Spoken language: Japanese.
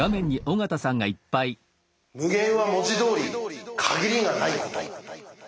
「無限」は文字どおり「限りがない」こと。